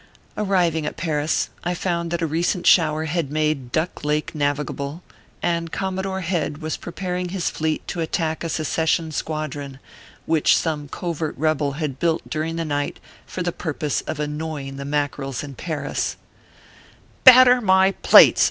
Arriving at Paris I found that a recent shower had made Duck Lake navigable, and Commodore Head was preparing his fleet to attack a secession squadron, which some covert rebel had built during the night for the purpose of annoying the Mackerels in Paris. ORPHEUS C. KERR PAPERS. 355 " Batter my plates